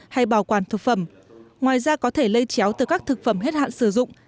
hay bảo quản thực phẩm ngoài ra có thể lây chéo từ các thực phẩm hết hạn sử dụng